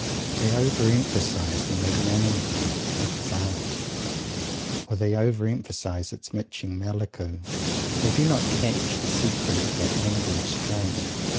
They over emphasize the "magnanimity" of his art, or they over emphasize its "miching mallecho." They do not catch the secret of that mingled strain.